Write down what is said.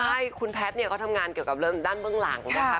ใช่คุณแพทย์ก็ทำงานเกี่ยวกับด้านเบื้องหลังของเราค่ะ